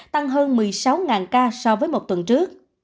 tăng hơn một mươi sáu ca so với một tuần trước